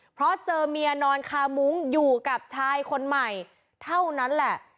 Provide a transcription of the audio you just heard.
เพราะเจอเมียนอนคามุ้งอยู่กับชายคนใหม่เท่านั้นแหละ